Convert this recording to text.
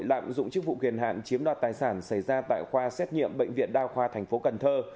lạm dụng chức vụ kiền hạn chiếm đoạt tài sản xảy ra tại khoa xét nghiệm bệnh viện đa khoa thành phố cần thơ